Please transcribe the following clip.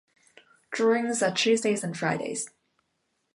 Drawings are Tuesdays and Fridays.